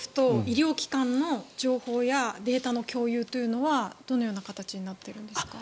政府と医療機関の情報やデータの共有というのはどのような形になっているんですか。